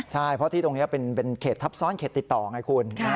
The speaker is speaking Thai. ใช่เพราะที่ตรงนี้เป็นเขตทับซ้อนเขตติดต่อไงคุณ